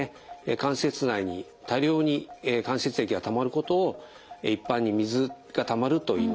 関節内に多量に関節液がたまることを一般に「水がたまる」といいます。